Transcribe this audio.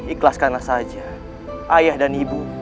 ikhlaskanlah saja ayah dan ibu